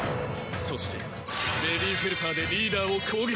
そしてベビーフェルパーでリーダーを攻撃。